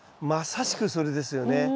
まさしくそれですよね。